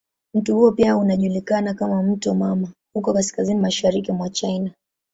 Mto huo pia unajulikana kama "mto mama" huko kaskazini mashariki mwa China.